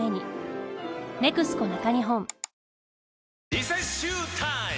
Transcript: リセッシュータイム！